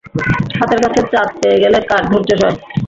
হাতের কাছে চাঁদ পেয়ে গেলে কার ধৈর্য্য সয়?